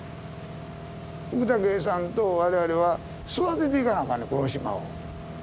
福武さんと我々は育てていかなあかんねんこの島を。